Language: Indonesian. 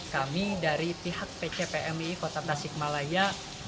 kami dari pihak pcpmi kota tasikmalaya